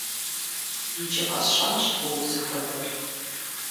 Иджы къэсщӏащ уэ узыхуэдэр.